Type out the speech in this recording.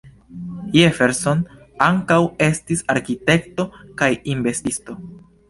Jefferson ankaŭ estis arkitekto kaj inventisto.